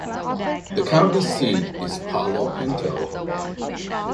The county seat is Palo Pinto.